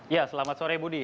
ya selamat sore budi